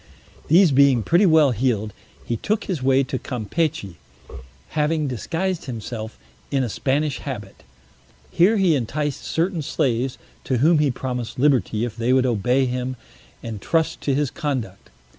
These being pretty well healed, he took his way to Campechy, having disguised himself in a Spanish habit; here he enticed certain slaves, to whom he promised liberty if they would obey him and trust to his conduct.